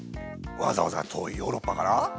わざわざ遠いヨーロッパから？